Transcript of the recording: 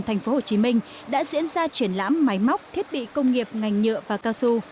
thành phố hồ chí minh đã diễn ra triển lãm máy móc thiết bị công nghiệp ngành nhựa và cao su